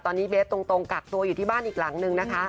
ตอนนี้เบสตรงกักตัวอยู่ที่บ้านอีกหลังนึงนะคะ